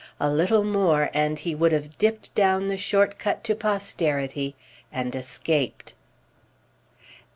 A little more and he would have dipped down the short cut to posterity and escaped.